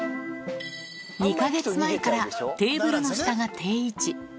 ２か月前から、テーブルの下が定位置。